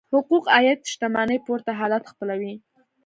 حقوق عاید شتمنۍ پورته حالت خپلوي.